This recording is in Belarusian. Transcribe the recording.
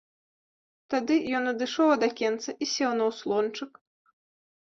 Тады ён адышоў ад акенца і сеў на ўслончык.